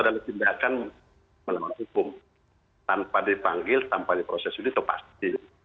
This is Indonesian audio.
dalam tindakan melawan hukum tanpa dipanggil tanpa diproses itu pasti